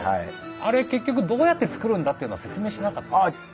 あれ結局どうやって作るんだっていうのは説明しなかったんですよ。